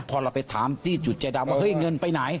พอเราไปถามที่จุดใจดำว่าเฮ้ยเงินไปไหน